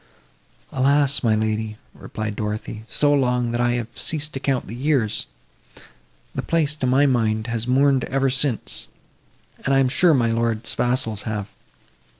"Alas! my lady," replied Dorothée, "so long—that I have ceased to count the years! The place, to my mind, has mourned ever since, and I am sure my lord's vassals have!